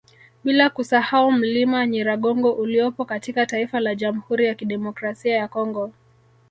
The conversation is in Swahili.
Bila kusahau mlima Nyiragongo uliopo katika taifa la Jamhuri ya Kidemokrasia ya Congo